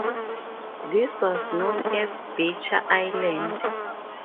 This was known as Beecher Island.